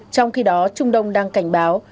trong khi đó trung đông đang cảnh báo